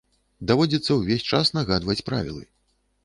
Даводзіцца ўвесь час нагадваць правілы.